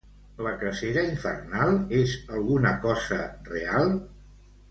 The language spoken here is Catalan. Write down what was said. La cacera infernal és alguna cosa real?